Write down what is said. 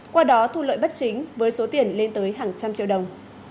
qua đó thu lợi bất chính với số tiền lên tới hàng trăm triệu đồng